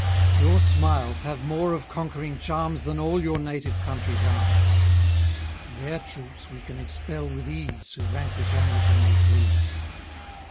III. Your smiles have more of conquering charms, Than all your native country's arms; Their troops we can expel with ease, Who vanquish only when we please.